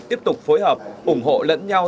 tiếp tục phối hợp ủng hộ lẫn nhau